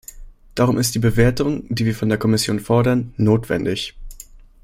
Darum ist die Bewertung, die wir von der Kommission fordern, notwendig.